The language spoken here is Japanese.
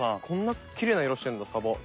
こんなきれいな色してんださば。